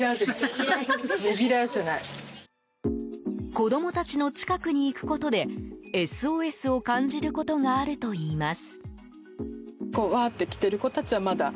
子供たちの近くに行くことでＳＯＳを感じることがあるといいます。